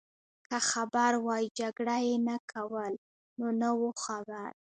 که خبر وای جګړه يې نه کول، نو نه وو خبر.